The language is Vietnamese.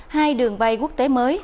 hai đường vay quốc tế mới